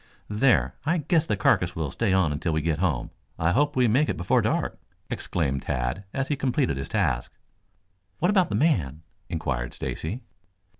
"There, I guess the carcass will stay on until we get home. I hope we make it before dark," exclaimed Tad as he completed his task. "What about the man?" inquired Stacy.